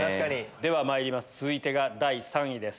ではまいります続いてが第３位です。